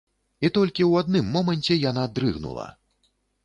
І толькі ў адным моманце яна дрыгнула.